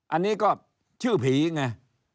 อันนี้ก็ชื่อผีไง